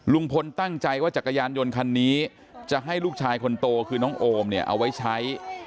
ลุงพลตั้งใจว่าจักรยานยนต์คันนี้จะให้ลูกชายคนโตคือน้องโอมเนี่ยเอาไว้ใช้